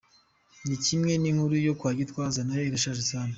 Nikimwe ninkuru yo kwa Gitwaza, nayo irashaje sana.